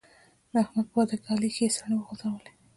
د احمد په واده کې علي ښې څڼې وغورځولې.